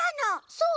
そう！